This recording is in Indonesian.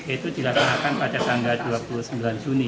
itu dilaksanakan pada tanggal dua puluh sembilan juni